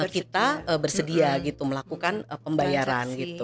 kita bersedia melakukan pembayaran